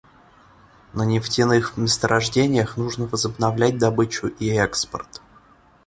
На нефтяных месторождениях нужно возобновлять добычу и экспорт.